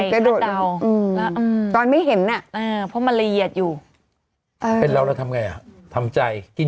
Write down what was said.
ไปตอนไม่เห็นน่ะเพราะมันละเอียดอยู่แล้วทำไงอ่ะทำใจกิน